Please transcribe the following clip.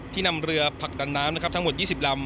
ที่นำเรือผลักดันน้ำทั้งหมด๒๐ลำ